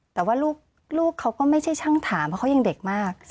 แต่ว่าลูกเขาก็ไม่ใช่ช่างถามเพราะเขายังเด็กมาก